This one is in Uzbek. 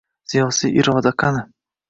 Siyosiy iroda qani?!